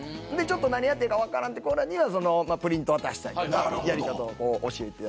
何やっていいか分からん子にはプリント渡したりとかやり方を教えたり。